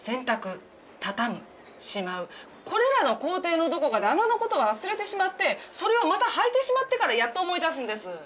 これらの工程のどこかで穴の事は忘れてしまってそれをまた履いてしまってからやっと思い出すんです。